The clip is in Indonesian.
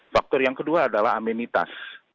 faktor yang kedua adalah amenitas